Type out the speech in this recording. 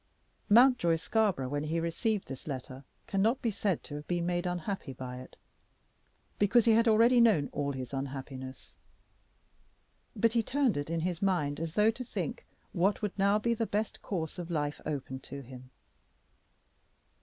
Mountjoy Scarborough when he received this letter cannot be said to have been made unhappy by it, because he had already known all his unhappiness. But he turned it in his mind as though to think what would now be the best course of life open to him.